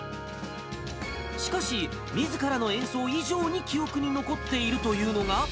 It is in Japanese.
しかし、みずからの演奏以上に記憶に残っているというのが。